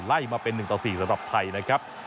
ไล่มาเป็น๑ต่อ๔สำหรับไทยนะครับ